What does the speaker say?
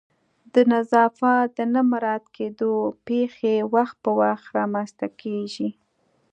د نظافت د نه مراعت کېدو پیښې وخت په وخت رامنځته کیږي